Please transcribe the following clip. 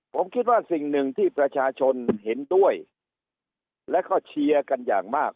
ผมคิดว่าสิ่งหนึ่งที่ประชาชนเห็นด้วยแล้วก็เชียร์กันอย่างมาก